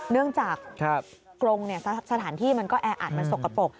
เนื่องจากกรงสถานที่มันก็แออัดมันสกปรก